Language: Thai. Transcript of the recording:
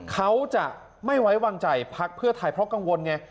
เขาจะไม่ไว้วางใจพักเพื่อไทยเพราะกังวลไง